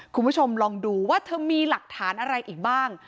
คุณผู้ชมลองดูว่าเธอมีหลักฐานอะไรอีกบ้าง